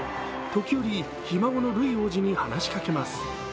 時折、ひ孫のルイ王子に話しかけます。